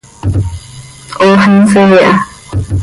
Ox insee aha.